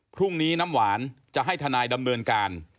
พรุ่งนี้น้ำหวานจะให้ทนายดำเนินการ